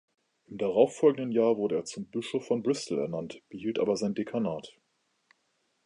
Im darauffolgenden Jahr wurde er zum Bischof von Bristol ernannt, behielt aber sein Dekanat.